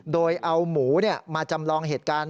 โดยเอาหมูมาจำลองเหตุการณ์